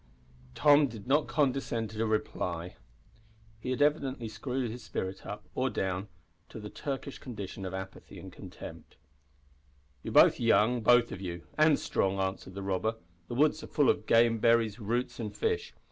Tom did not condescend to reply. He had evidently screwed his spirit up or down to the Turkish condition of apathy and contempt. "You're young, both of you, and strong," answered the robber. "The woods are full of game, berries, roots, and fish.